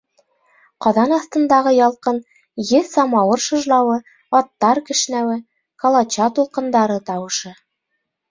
Ҡаҙан аҫтындағы ялҡын, еҙ самауыр шыжлауы, аттар кешнәүе, Колоча тулҡындары тауышы.